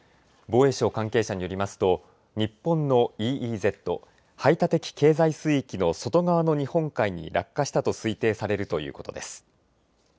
防衛省関係者によりますと日本のＥＥＺ・排他的経済水域の外側の日本海に落下したと推定されるということです。